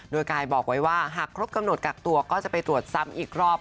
โดยกายบอกไว้ว่าหากครบกำหนดกักตัวก็จะไปตรวจซ้ำอีกรอบ